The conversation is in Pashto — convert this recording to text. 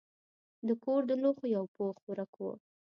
د کور د لوښو یو پوښ ورک و.